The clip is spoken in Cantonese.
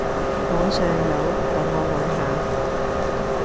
網上有，等我揾下